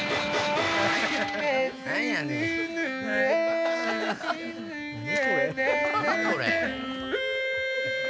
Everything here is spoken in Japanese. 何やねん！何？